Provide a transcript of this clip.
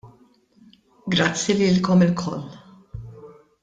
Grazzi lilkom ilkoll.